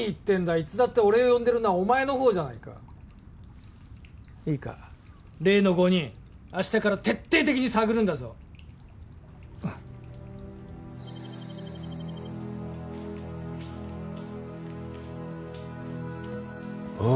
いつだって俺を呼んでるのはお前のほうじゃないかいいか例の５人明日から徹底的に探るんだぞうんああ